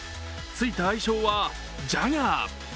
ついた愛称はジャガー。